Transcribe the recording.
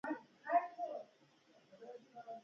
یوه انګلیسي اقتصاد پوه په زر نه سوه اووه اویا کال کې ولیکل